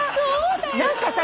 何かさ